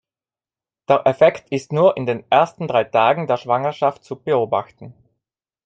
Der Effekt ist nur in den ersten drei Tagen der Schwangerschaft zu beobachten.